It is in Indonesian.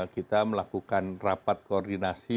kita melakukan rapat koordinasi